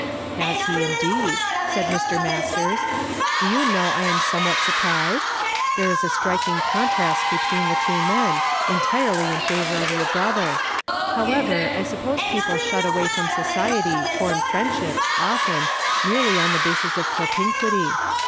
" Has he indeed !" said Mr. Masters. " Do you know I am somewhat surprised ? There is a strik 66 YESTERDAY FRAMED IN TO DAY. ing contrast between the two men, entii ely in favor of your brother. However, I suppose people shut away from society form friendships, often, merely on the basis of propinquity.